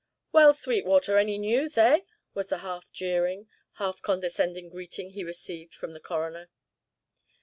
"Well, Sweetwater, any news, eh?" was the half jeering, half condescending greeting he received from the coroner.